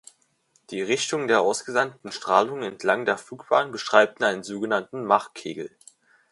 Die Richtung der ausgesandten Strahlung entlang der Flugbahn beschreibt einen sogenannten Mach-Kegel.